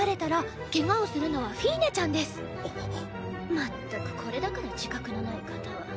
まったくこれだから自覚のない方は。